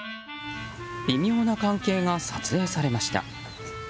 微妙な関係が撮影されました。